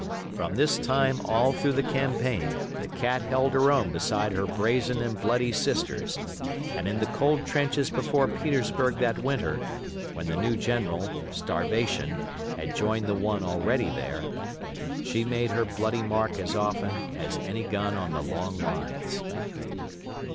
From this time all through the campaign the Cat held her own beside her brazen and bloody sisters, and in the cold trenches before Petersburg that winter, when the new general—Starvation—had joined the one already there, she made her bloody mark as often as any gun on the long lines.